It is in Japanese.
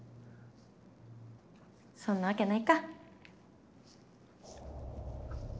そんなわけないか。